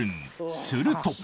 すると。